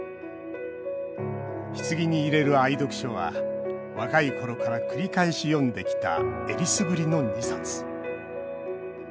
ひつぎに入れる愛読書は若いころから繰り返し読んできたえりすぐりの２冊。